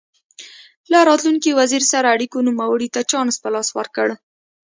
له راتلونکي وزیر سره اړیکو نوموړي ته چانس په لاس ورکړ.